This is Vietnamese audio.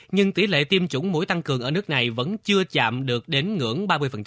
nhưng tỷ lệ tiêm chủng mũi tăng cường ở nước này vẫn chưa chạm được đến ngưỡng ba mươi